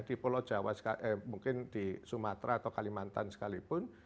di pulau jawa mungkin di sumatera atau kalimantan sekalipun